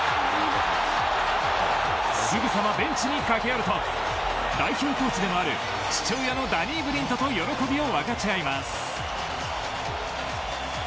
すぐさまベンチに駆け寄ると代表コーチでもある父親のダニーブリントと喜びを分かち合います。